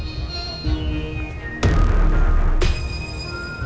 untuk bantu ilesa